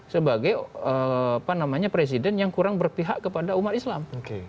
sebagai presiden yang kurang berpihak kepada umat islam